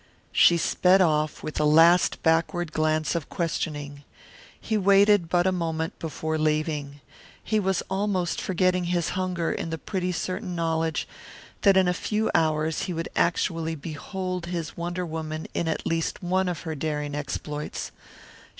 She sped off, with a last backward glance of questioning. He waited but a moment before leaving. He was almost forgetting his hunger in the pretty certain knowledge that in a few hours he would actually behold his wonder woman in at least one of her daring exploits.